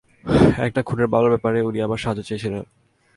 একটা খুনের মামলার ব্যাপারে উনি আমার সাহায্য চেয়েছিলেন।